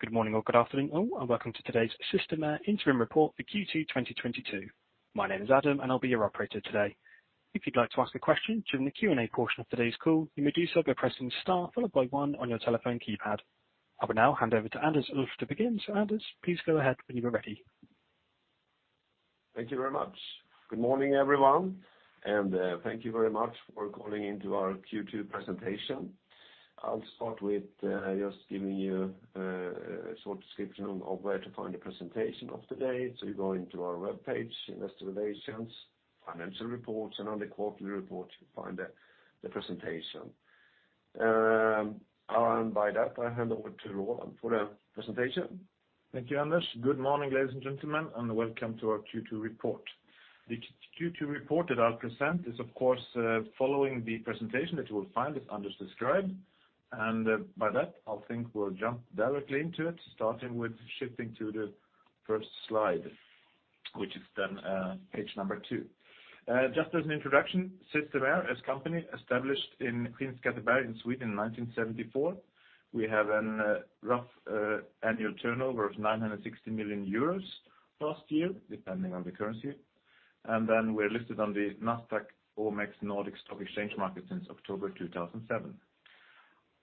Good morning or good afternoon all, welcome to today's Systemair Interim Report for Q2 2022. My name is Adam, I'll be your operator today. If you'd like to ask a question during the Q&A portion of today's call, you may do so by pressing Star followed by one on your telephone keypad. I will now hand over to Anders. To begin, Anders, please go ahead when you are ready. Thank you very much. Good morning, everyone, and thank you very much for calling into our Q2 presentation. I'll start with just giving you a short description of where to find the presentation of today. You go into our webpage, Investor Relations, Financial Reports, and on the quarterly report, you'll find the presentation. By that, I hand over to Roland for the presentation. Thank you, Anders. Good morning, ladies and gentlemen, welcome to our Q2 report. The Q2 report that I'll present is, of course, following the presentation that you will find as Anders described. By that, I think we'll jump directly into it, starting with shifting to the first slide, which is then, page number two. Just as an introduction, Systemair is a company established in Skellefteå in Sweden in 1974. We have an rough annual turnover of 960 million euros last year, depending on the currency. We're listed on the Nasdaq Nordic since October 2007.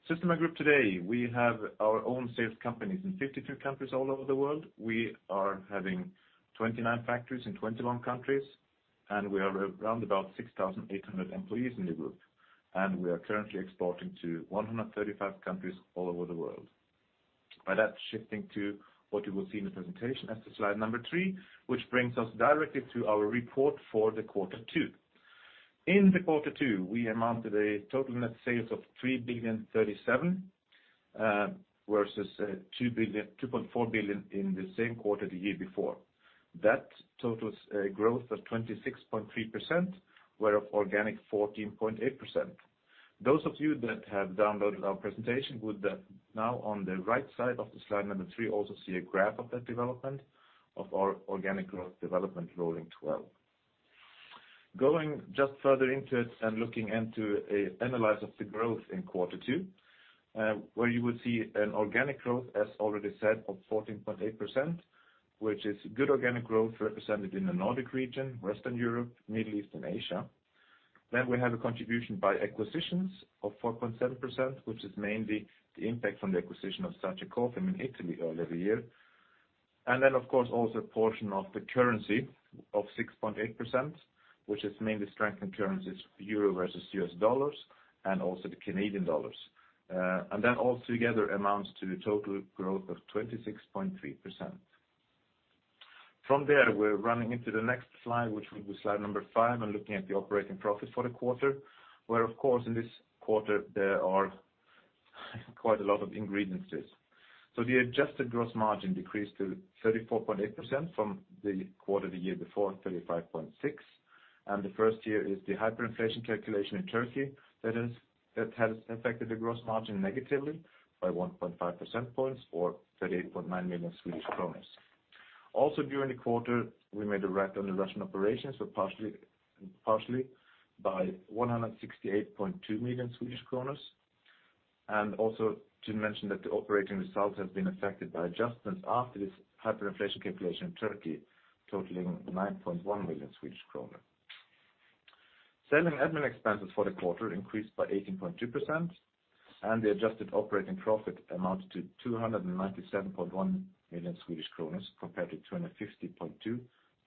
Systemair Group today, we have our own sales companies in 52 countries all over the world. We are having 29 factories in 21 countries, and we are around about 6,800 employees in the Group, and we are currently exporting to 135 countries all over the world. By that, shifting to what you will see in the presentation, that's the slide number three, which brings us directly to our report for the quarter two. In the quarter two, we amounted a total net sales of 3.037 billion versus 2.4 billion in the same quarter the year before. That totals a growth of 26.3%, where organic 14.8%. Those of you that have downloaded our presentation would now on the right side of the slide number three, also see a graph of that development of our organic growth development rolling 12. Going just further into it and looking into analyze of the growth in quarter two, where you would see an organic growth, as already said, of 14.8%, which is good organic growth represented in the Nordic region, Western Europe, Middle East, and Asia. We have a contribution by acquisitions of 4.7%, which is mainly the impact from the acquisition of SagiCofim in Italy earlier this year. Of course, also a portion of the currency of 6.8%, which is mainly strength in currencies, Euro versus U.S. dollars and also the Canadian dollars. That all together amounts to a total growth of 26.3%. From there, we're running into the next slide, which will be slide number five, and looking at the operating profit for the quarter, where, of course, in this quarter there are quite a lot of ingredients. The adjusted gross margin decreased to 34.8% from the quarter the year before, 35.6%. The first year is the hyperinflation calculation in Turkey that has affected the gross margin negatively by 1.5 percentage points or 38.9 million Swedish kronor. Also, during the quarter, we made a write-down on Russian operations, partially by 168.2 million SEK. Also to mention that the operating results have been affected by adjustments after this hyperinflation calculation in Turkey, totaling 9.1 million Swedish kronor. Selling admin expenses for the quarter increased by 18.2%, and the adjusted operating profit amounted to 297.1 million Swedish kronor, compared to 250.2 million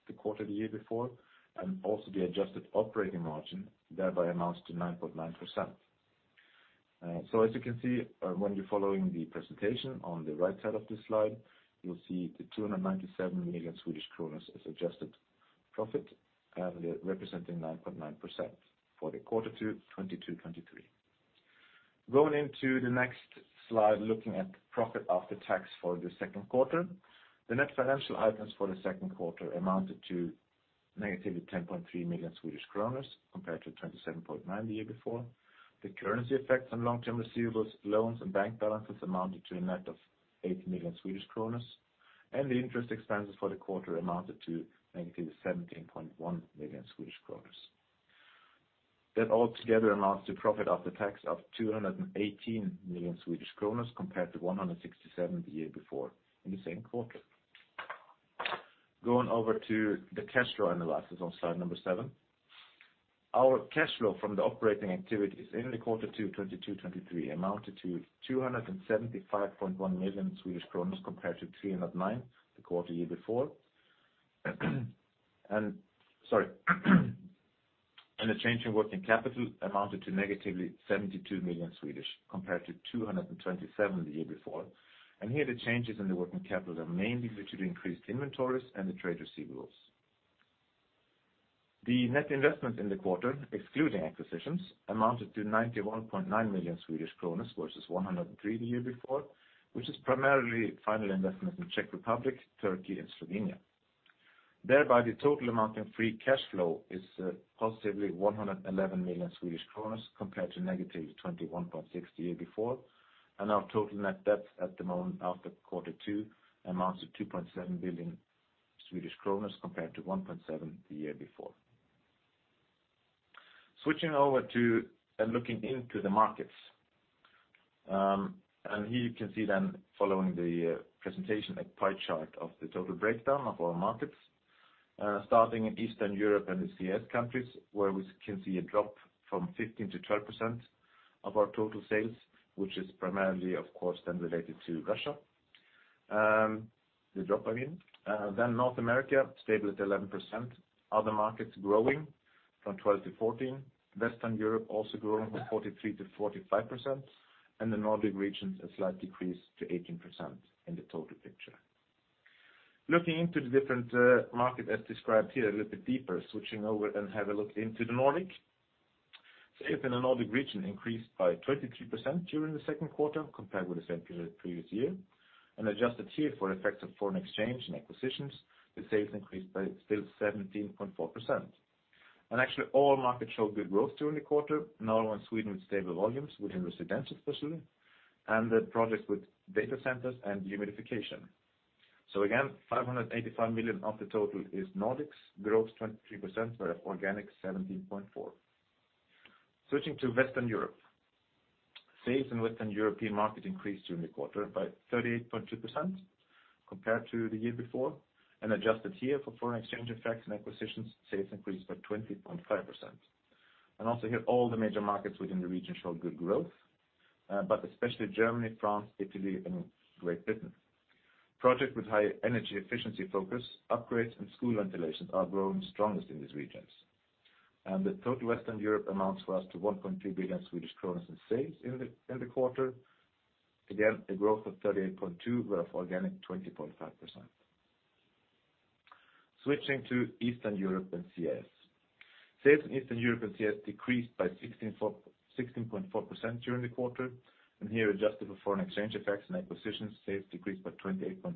the quarter the year before, and also the adjusted operating margin, thereby amounts to 9.9%. As you can see, when you're following the presentation on the right side of this slide, you'll see the 297 million Swedish kronor as adjusted profit and representing 9.9% for the Q2, 2022-2023. Going into the next slide, looking at profit after tax for the second quarter. The net financial items for the second quarter amounted to negatively 10.3 million Swedish kronor compared to 27.9 million the year before. The currency effects on long-term receivables, loans, and bank balances amounted to a net of 8 million Swedish kronor, and the interest expenses for the quarter amounted to negatively 17.1 million Swedish kronor. That all together amounts to profit after tax of 218 million Swedish kronor compared to 167 million the year before in the same quarter. Going over to the cash flow analysis on slide number seven. Our cash flow from the operating activities in the quarter two, 2022, 2023 amounted to 275.1 million compared to 309 million the quarter year before. The change in working capital amounted to negatively 72 million, compared to 227 million the year before. Here the changes in the working capital are mainly due to the increased inventories and the trade receivables. The net investment in the quarter, excluding acquisitions, amounted to 91.9 million Swedish kronor versus 103 million the year before, which is primarily final investment in Czech Republic, Turkey, and Slovenia. Thereby, the total amount in free cash flow is positively 111 million Swedish kronor compared to negatively 21.6 million the year before. Our total net debt at the moment after Q2 amounts to 2.7 billion Swedish kronor compared to 1.7 billion the year before. Switching over to and looking into the markets. Here you can see then following the presentation, a pie chart of the total breakdown of our markets. Starting in Eastern Europe and the CIS countries, where we can see a drop from 15% to 12% of our total sales, which is primarily, of course, then related to Russia. The drop I mean. North America stable at 11%. Other markets growing from 12% to 14%. Western Europe also growing from 43% to 45%, the Nordic regions, a slight decrease to 18% in the total picture. Looking into the different market, as described here a little bit deeper, switching over and have a look into the Nordic. Sales in the Nordic region increased by 23% during the second quarter compared with the same period previous year, adjusted here for effects of foreign exchange and acquisitions, the sales increased by still 17.4%. Actually all markets showed good growth during the quarter, Norway and Sweden with stable volumes within residential especially, and the projects with data centers and humidification. Again, 585 million of the total is Nordics growth 23% were organic 17.4%. Switching to Western Europe. Sales in Western European market increased during the quarter by 38.2% compared to the year before. Adjusted here for foreign exchange effects and acquisitions, sales increased by 20.5%. Also here all the major markets within the region showed good growth, but especially Germany, France, Italy, and Great Britain. Projects with high energy efficiency focus, upgrades and school ventilations are growing strongest in these regions. The total Western Europe amounts for us to 1.2 billion Swedish kronor in sales in the quarter. Again, a growth of 38.2 were organic 20.5%. Switching to Eastern Europe and CIS. Sales in Eastern Europe and CIS decreased by 16.4% during the quarter, and here adjusted for foreign exchange effects and acquisitions, sales decreased by 28.3%.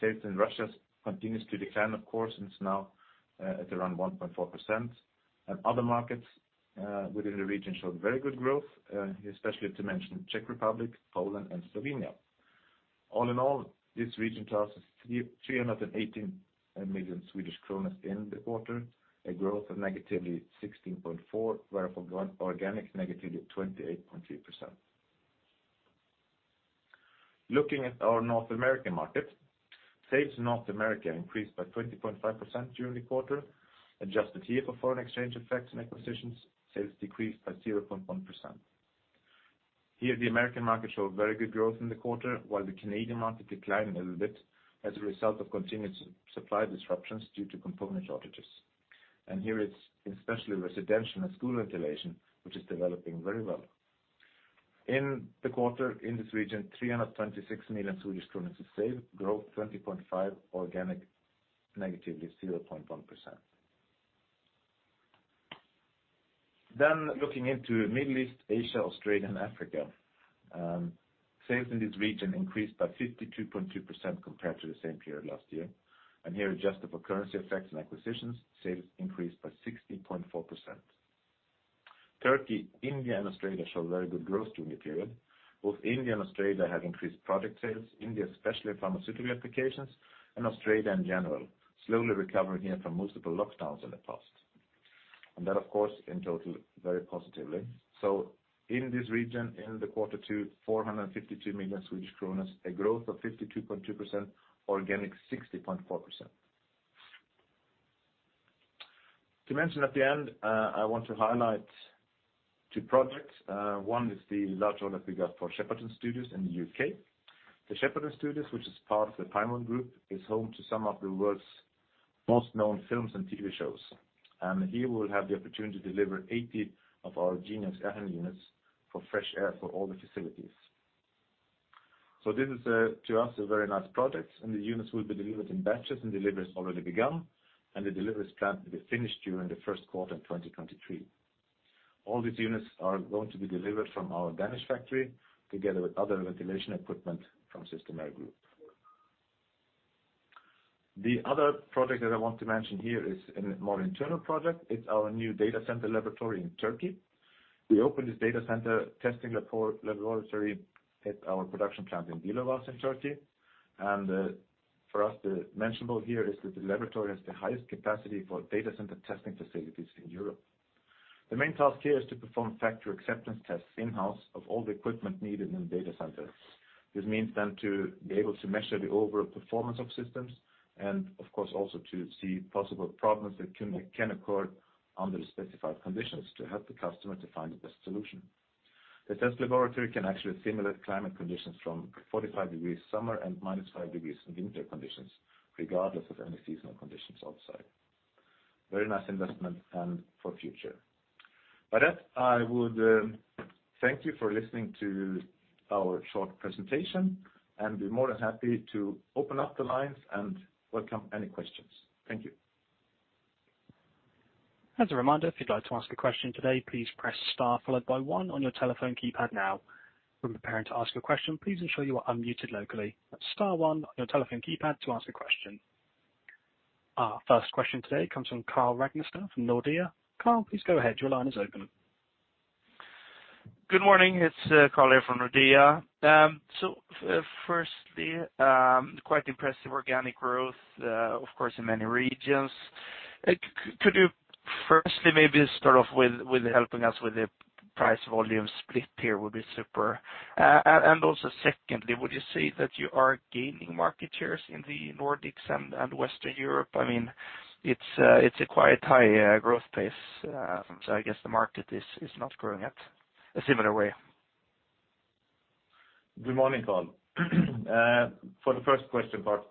Sales in Russia continues to decline of course, and it's now, at around 1.4%. Other markets within the region showed very good growth, especially to mention Czech Republic, Poland and Slovenia. All in all these region to us is 380 million Swedish kronor in the quarter, a growth of negatively 16.4 were for organics negatively 28.3%. Looking at our North American market, sales in North America increased by 20.5% during the quarter. Adjusted here for foreign exchange effects and acquisitions, sales decreased by 0.1%. Here the American market showed very good growth in the quarter while the Canadian market declined a little bit as a result of continued supply disruptions due to component shortages. Here it's especially residential and school ventilation, which is developing very well. In the quarter in this region, 326 million was sold, growth 20.5%, organic negatively 0.1%. Looking into Middle East, Asia, Australia and Africa, sales in this region increased by 52.2% compared to the same period last year. Here, adjusted for currency effects and acquisitions, sales increased by 60.4%. Turkey, India and Australia show very good growth during the period. Both India and Australia have increased product sales. India especially pharmaceutical applications and Australia in general, slowly recovering here from multiple lockdowns in the past. That of course in total very positively. In this region in the quarter to 452 million Swedish kronor, a growth of 52.2%, organic 60.4%. To mention at the end, I want to highlight two projects. One is the large order that we got for Shepperton Studios in the U.K. The Shepperton Studios, which is part of the Pinewood Group, is home to some of the world's most known films and TV shows, and here we'll have the opportunity to deliver 80 of our Geniox AHU units for fresh air for all the facilities. This is to us a very nice project and the units will be delivered in batches and deliveries already begun, and the deliveries planned to be finished during the first quarter of 2023. All these units are going to be delivered from our Danish factory together with other ventilation equipment from Systemair Group. The other project that I want to mention here is a more internal project. It's our new data center laboratory in Turkey. We opened this data center testing laboratory at our production plant in Dilovası in Turkey. For us to mentionable here is that the laboratory has the highest capacity for data center testing facilities in Europe. The main task here is to perform factory acceptance tests in-house of all the equipment needed in the data center. This means to be able to measure the overall performance of systems and of course also to see possible problems that can occur under the specified conditions to help the customer to find the best solution. The test laboratory can actually simulate climate conditions from 45 degrees summer and minus five degrees in winter conditions, regardless of any seasonal conditions outside. Very nice investment and for future. By that, I would thank you for listening to our short presentation and be more than happy to open up the lines and welcome any questions. Thank you. As a reminder, if you'd like to ask a question today, please press star followed by one on your telephone keypad now. When preparing to ask a question, please ensure you are unmuted locally at star one on your telephone keypad to ask a question. Our first question today comes from Carl Rask from Nordea. Carl, please go ahead. Your line is open. Good morning, it's Carl here from Nordea. Firstly, quite impressive organic growth, of course, in many regions. Could you firstly maybe start off with helping us with the price volume split here would be super. Also secondly, would you say that you are gaining market shares in the Nordics and Western Europe? I mean, it's a quite high growth pace, so I guess the market is not growing at a similar way. Good morning, Carl. For the first question part,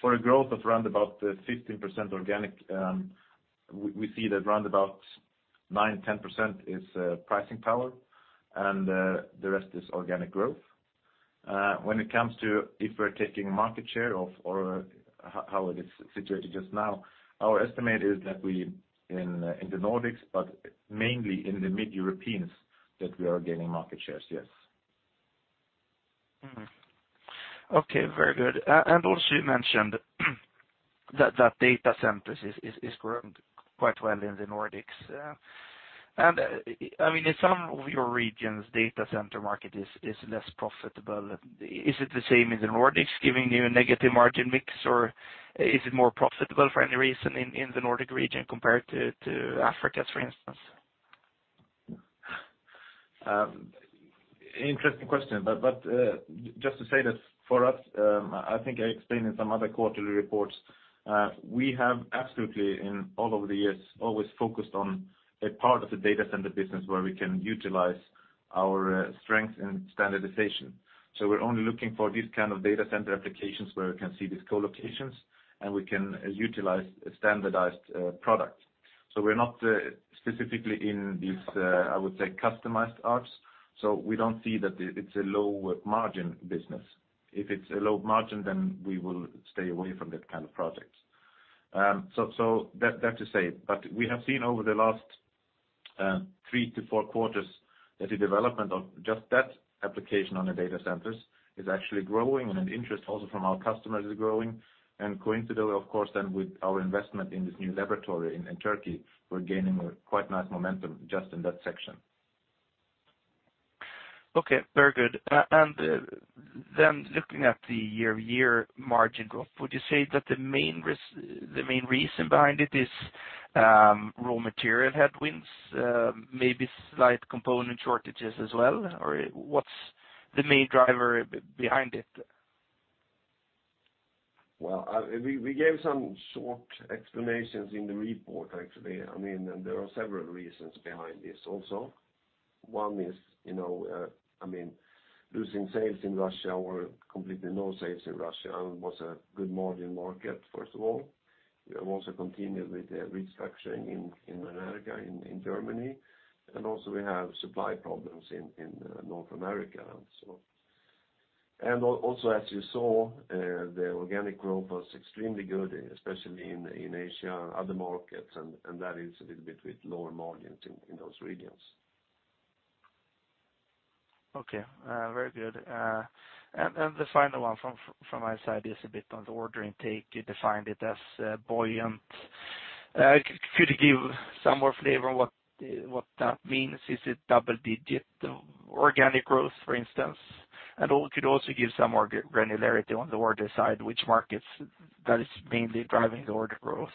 for a growth of round about 15% organic, we see that round about 9%, 10% is pricing power, and the rest is organic growth. When it comes to if we're taking market share of or how it is situated just now, our estimate is that we in the Nordics, but mainly in the Mid-Europeans, that we are gaining market shares, yes. Okay, very good. Also you mentioned that data centers is growing quite well in the Nordics. I mean, in some of your regions, data center market is less profitable. Is it the same in the Nordics, giving you a negative margin mix, or is it more profitable for any reason in the Nordic region compared to Africa, for instance? Interesting question. Just to say this, for us, I think I explained in some other quarterly reports, we have absolutely in all of the years always focused on a part of the data center business where we can utilize our strength and standardization. We're only looking for these kind of data center applications where we can see these co-locations, and we can utilize a standardized product. We're not specifically in these, I would say, customized arcs, so we don't see that it's a low margin business. If it's a low margin, then we will stay away from that kind of project. That to say. We have seen over the last, three to four quarters that the development of just that application on the data centers is actually growing, and an interest also from our customers is growing. Coincidentally, of course, then with our investment in this new laboratory in Turkey, we're gaining a quite nice momentum just in that section. Okay, very good. Then looking at the year-over-year margin growth, would you say that the main reason behind it is, raw material headwinds, maybe slight component shortages as well? Or what's the main driver behind it? Well, we gave some short explanations in the report actually. I mean, there are several reasons behind this also. One is, you know, I mean, losing sales in Russia or completely no sales in Russia was a good margin market, first of all. We have also continued with the restructuring in America, in Germany. Also we have supply problems in North America also. Also, as you saw, the organic growth was extremely good, especially in Asia, other markets, and that is a little bit with lower margins in those regions. Okay, very good. The final one from my side is a bit on the order intake. You defined it as buoyant. Could you give some more flavor on what that means? Is it double-digit organic growth, for instance? Could you also give some more granularity on the order side, which markets that is mainly driving the order growth?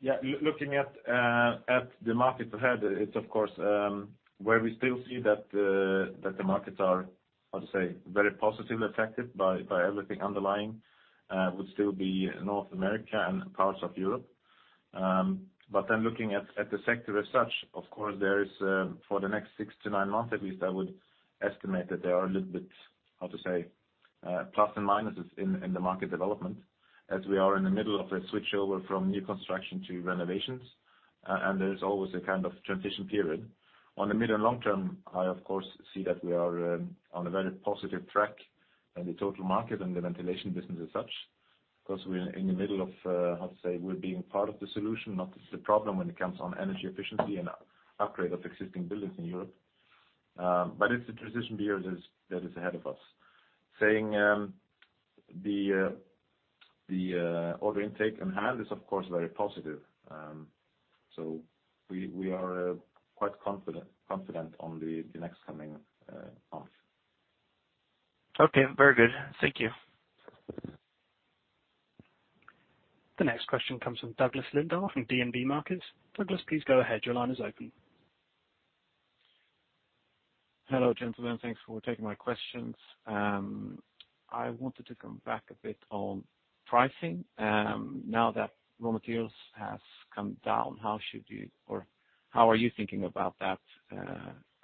Yeah. Looking at the markets ahead, it's of course, where we still see that the markets are, how to say, very positively affected by everything underlying, would still be North America and parts of Europe. Looking at the sector as such, of course there is, for the next six to nine months at least, I would estimate that there are a little bit, how to say, plus and minuses in the market development as we are in the middle of a switchover from new construction to renovations, and there is always a kind of transition period. On the mid and long term, I of course see that we are, on a very positive track in the total market and the ventilation business as such, because we're in the middle of, how to say, we're being part of the solution, not the problem when it comes on energy efficiency and upgrade of existing buildings in Europe. But it's a transition period is, that is ahead of us. Saying, the order intake on hand is of course very positive. So we are quite confident on the next coming months. Okay, very good. Thank you. The next question comes from Douglas Lindahl from DNB Markets. Douglas, please go ahead, your line is open. Hello, gentlemen. Thanks for taking my questions. I wanted to come back a bit on pricing. Now that raw materials has come down, how should you or how are you thinking about that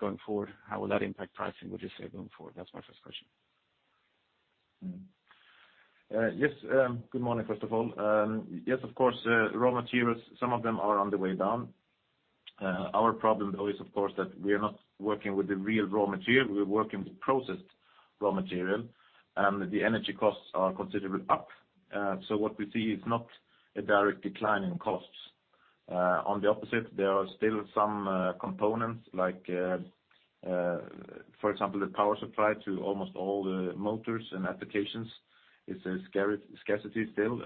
going forward? How will that impact pricing, would you say, going forward? That's my first question. Yes. Good morning first of all. Yes, of course, raw materials, some of them are on the way down. Our problem though is of course that we are not working with the real raw material, we're working with processed raw material, and the energy costs are considerably up. What we see is not a direct decline in costs. On the opposite, there are still some components like, for example, the power supply to almost all the motors and applications is a scarcity still.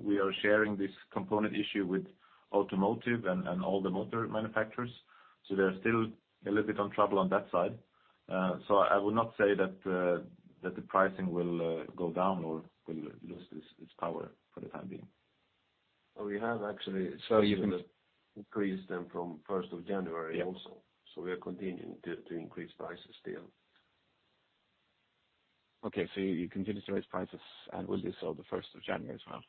We are sharing this component issue with automotive and all the motor manufacturers, so they're still a little bit on trouble on that side. I would not say that the pricing will go down or will lose its power for the time being. Well, we have actually- So you've- increased them from first of January also. Yeah. we are continuing to increase prices still. Okay. You continue to raise prices, and will do so the first of January as well?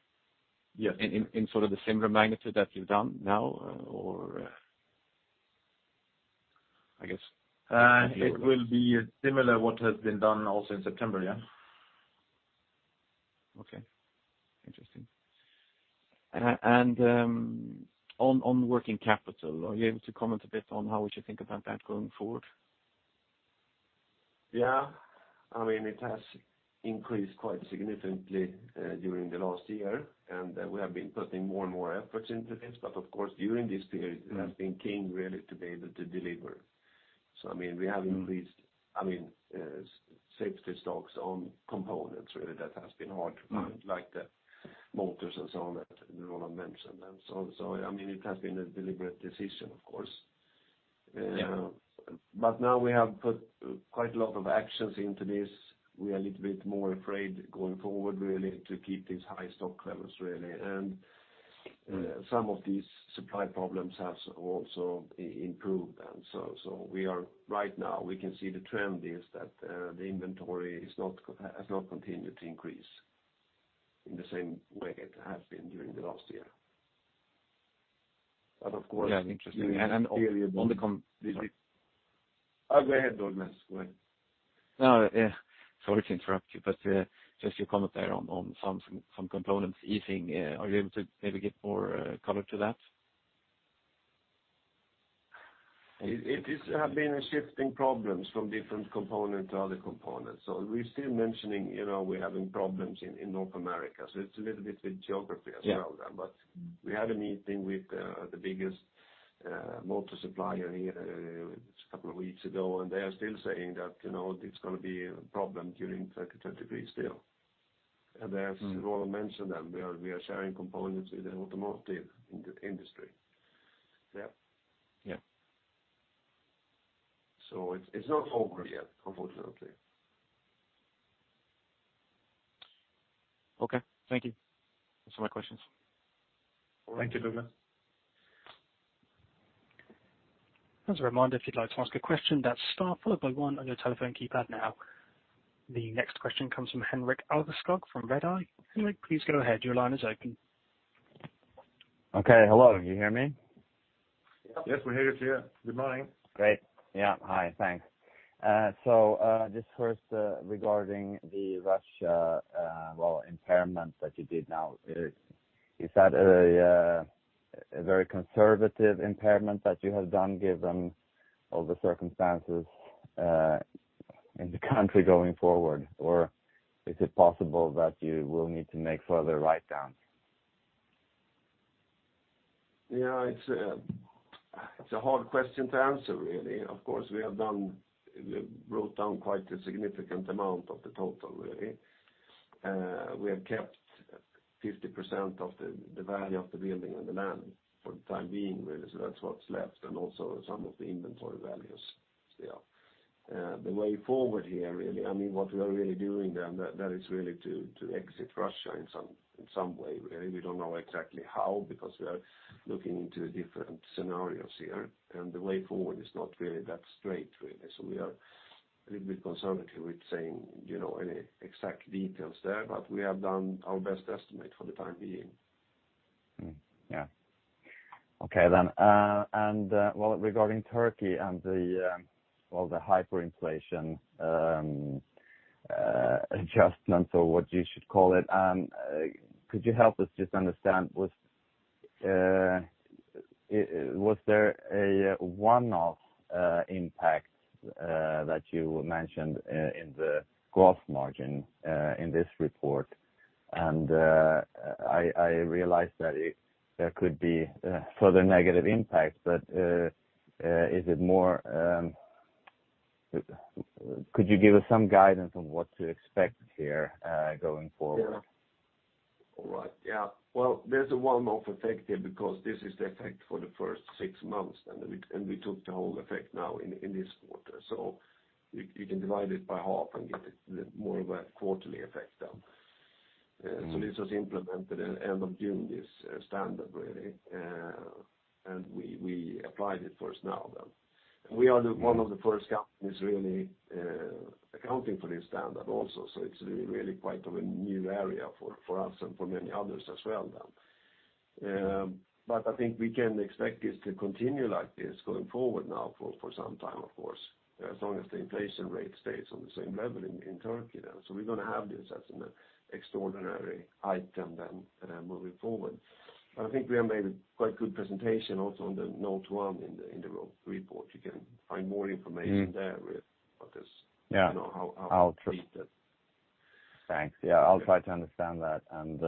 Yeah. In sort of the similar magnitude that you've done now, or. It will be similar what has been done also in September, yeah. Okay. Interesting. On working capital, are you able to comment a bit on how we should think about that going forward? Yeah. I mean, it has increased quite significantly, during the last year, and, we have been putting more and more efforts into this. Of course, during this period. Mm. it has been key really to be able to deliver. I mean, we have increased. Mm. I mean, safety stocks on components really that has been hard to find. Mm. like the motors and so on that Roland mentioned. I mean, it has been a deliberate decision of course. Yeah. Now we have put quite a lot of actions into this. We are a little bit more afraid going forward really to keep these high stock levels really. Some of these supply problems has also improved. Right now we can see the trend is that the inventory is not continued to increase in the same way it has been during the last year. Of course. Yeah, interesting. during this period. Go ahead, Ingemar. Go ahead. No. Yeah, sorry to interrupt you, but, just your comment there on some components easing, are you able to maybe give more color to that? It is, have been shifting problems from different component to other components. We're still mentioning, you know, we're having problems in North America, so it's a little bit with geography as well then. Yeah. We had a meeting with the biggest motor supplier here just a couple of weeks ago. They are still saying that, you know, it's going to be a problem during 2023 still. As Roland mentioned then, we are sharing components with the automotive industry. Yeah. Yeah. It's not over yet, unfortunately. Okay. Thank you. That's all my questions. Thank you, Ingemar.As a reminder, if you'd like to ask a question, that's star followed by one on your telephone keypad now. The next question comes from Henrik Alveskog Okay. Hello? You hear me? Yes, we hear you, sir. Good morning. Great. Yeah. Hi. Thanks. Just first, regarding the Russia, well, impairment that you did now, is that a very conservative impairment that you have done given all the circumstances, in the country going forward? Or is it possible that you will need to make further write-downs? Yeah, it's a hard question to answer really. Of course, we wrote down quite a significant amount of the total really. We have kept 50% of the value of the building and the land for the time being really, so that's what's left, and also some of the inventory values. Yeah. The way forward here really, I mean, what we are really doing then, that is really to exit Russia in some way really. We don't know exactly how because we are looking into different scenarios here, the way forward is not really that straight really. We are a little bit conservative with saying, you know, any exact details there, but we have done our best estimate for the time being. Yeah. Okay. Well, regarding Turkey and the, well, the hyperinflation adjustment or what you should call it, could you help us just understand: was there a one-off impact that you mentioned in the gross margin in this report? I realize that there could be further negative impacts, but is it more... Could you give us some guidance on what to expect here going forward? Yeah. All right. Yeah. There's a one-off effect here because this is the effect for the first six months, and we took the whole effect now in this quarter. You can divide it by half and get it more of a quarterly effect then. Mm. This was implemented end of June, this standard really. We applied it first now then. Mm. one of the first companies really accounting for this standard also. It's really quite of a new area for us and for many others as well then. I think we can expect this to continue like this going forward now for some time, of course, as long as the inflation rate stays on the same level in Turkey then. We're going to have this as an extraordinary item then moving forward. I think we have made a quite good presentation also on Note 1 in the report. You can find more information there really. Mm. -because- Yeah. You know how. I'll try- how we treat it. Thanks. Yeah, I'll try to understand that and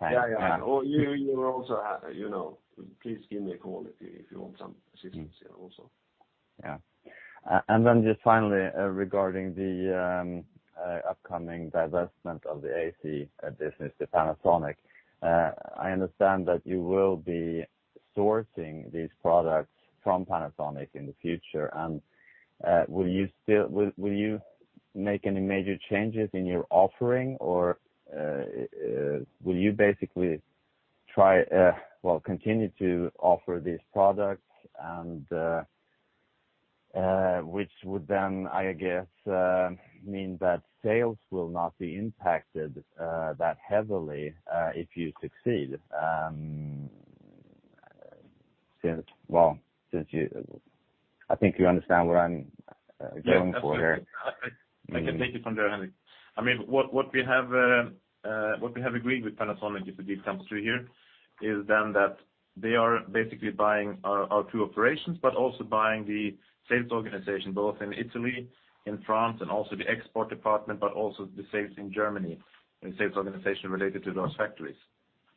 thanks. Yeah, yeah. You will also, you know, please give me a call if you want some assistance here also. Yeah. Just finally, regarding the upcoming divestment of the AC business to Panasonic, I understand that you will be sourcing these products from Panasonic in the future. Will you make any major changes in your offering or, will you basically try, well, continue to offer these products? Which would then, I guess, mean that sales will not be impacted that heavily, if you succeed, well, since you I think you understand what I'm going for here. Yes. I can take it from there, Henrik. I mean, what we have agreed with Panasonic, if the deal comes through here, is then that they are basically buying our two operations, but also buying the sales organization both in Italy, in France, and also the export department, but also the sales in Germany and sales organization related to those factories.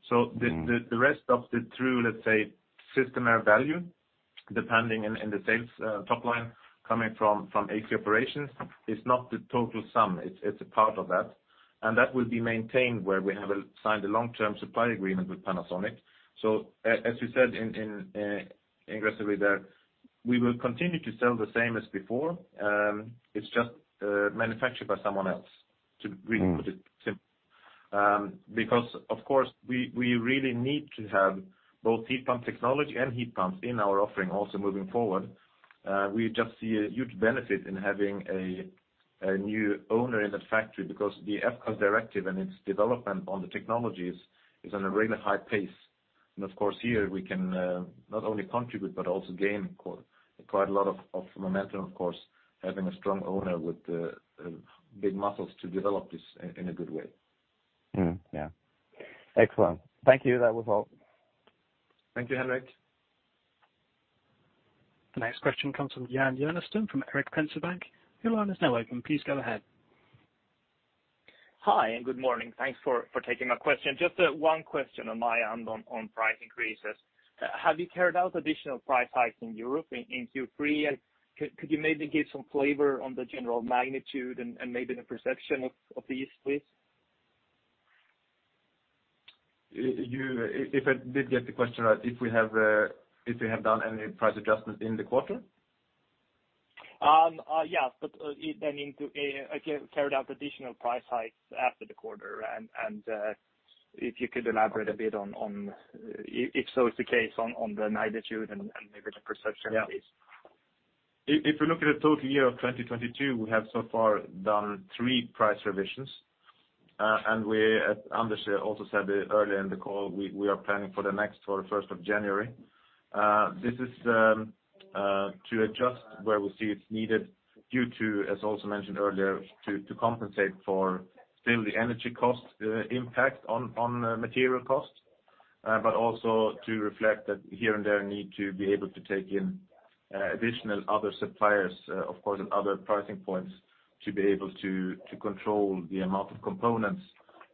The rest of the true, let's say, Systemair value, depending in the sales top line coming from AC operations is not the total sum. It's a part of that. That will be maintained where we have a signed a long-term supply agreement with Panasonic. As we said in ingressively there, we will continue to sell the same as before, it's just manufactured by someone else, to really put it simply. Because of course we really need to have both heat pump technology and heat pumps in our offering also moving forward. We just see a huge benefit in having a new owner in that factory because the F-gas directive and its development on the technologies is on a really high pace. Of course here we can not only contribute but also gain quite a lot of momentum, of course, having a strong owner with the big muscles to develop this in a good way. Yeah. Excellent. Thank you. That was all. Thank you, Henrik. The next question comes from Jan P. Knutsson from ABG. Your line is now open. Please go ahead. Hi, good morning. Thanks for taking my question. Just one question on my end on price increases. Have you carried out additional price hikes in Europe in Q3? Could you maybe give some flavor on the general magnitude and maybe the perception of these, please? If I did get the question right, if we have done any price adjustments in the quarter? Yes, then into a carried out additional price hikes after the quarter and, if you could elaborate a bit on, if so is the case on the magnitude and maybe the perception, please. Yeah. If we look at the total year of 2022, we have so far done 3 price revisions. We, as Anders also said earlier in the call, we are planning for the next for the first of January. This is to adjust where we see it's needed due to, as also mentioned earlier, to compensate for still the energy cost impact on material costs, but also to reflect that here and there need to be able to take in additional other suppliers, of course, at other pricing points to be able to control the amount of components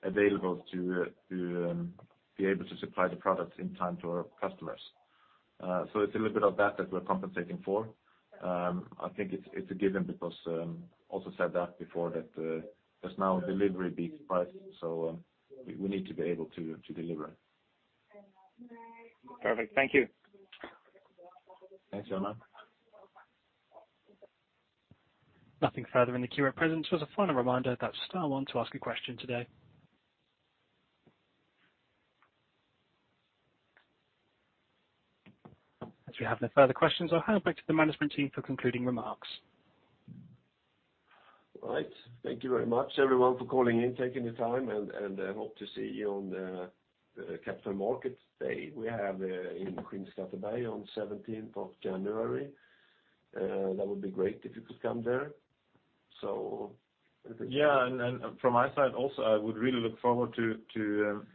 available to be able to supply the products in time to our customers. It's a little bit of that we're compensating for. I think it's a given because, also said that before that, just now delivery beats price, so we need to be able to deliver. Perfect. Thank you. Thanks, Jan. Nothing further in the queue at present. Just a final reminder, that's star one to ask a question today. As we have no further questions, I'll hand back to the management team for concluding remarks. All right. Thank you very much everyone for calling in, taking the time and, hope to see you on the capital markets day we have in Kristianstad on 17th of January. That would be great if you could come there. Yeah. From my side also, I would really look forward to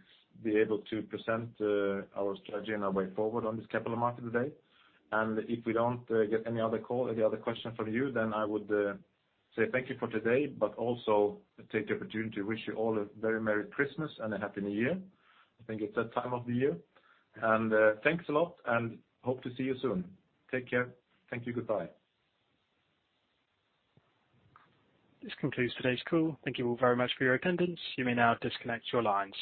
be able to present our strategy and our way forward on this capital market today. If we don't get any other call, any other question from you, then I would say thank you for today, but also take the opportunity to wish you all a very merry Christmas and a happy New Year. I think it's that time of the year. Thanks a lot and hope to see you soon. Take care. Thank you. Goodbye. This concludes today's call. Thank you all very much for your attendance. You may now disconnect your lines.